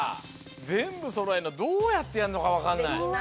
ぜんぶそろえるのどうやってやんのかわからない。